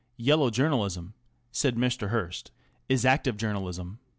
Yellow journalism,' " said Mr. Hearst, " is active journalism.